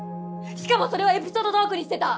しかもそれをエピソードトークにしてた！